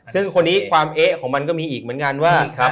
ซึ่งคนนี้ความเอ๊ะของมันก็มีอีกเหมือนกันว่า